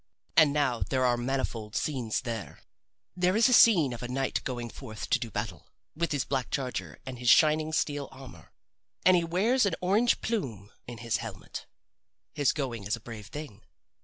And now there are manifold scenes there. There is a scene of a knight going forth to do battle, with his black charger and his shining steel armor. And he wears an orange plume in his helmet. His going is a brave thing.